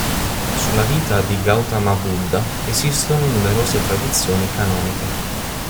Sulla vita di Gautama Buddha esistono numerose tradizioni canoniche.